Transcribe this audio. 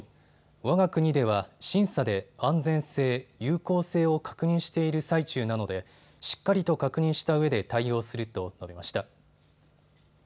わが国では審査で安全性、有効性を確認している最中なのでしっかりと確認したうえで対応すると述べました。